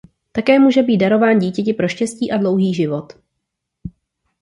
Také může být darován dítěti pro štěstí a dlouhý život.